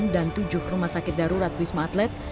dan tujuh rumah sakit darurat wisma atlet